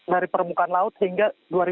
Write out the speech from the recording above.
dari permukaan laut hingga dua ribu sembilan ratus